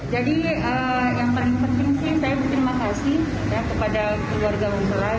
jadi yang paling penting saya berterima kasih kepada keluarga luhutara